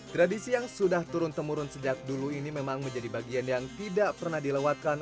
tradisi yang sudah turun temurun sejak dulu ini memang menjadi bagian yang tidak pernah dilewatkan